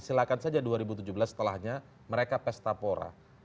silahkan saja dua ribu tujuh belas setelahnya mereka pesta pora